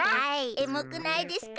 エモくないですか？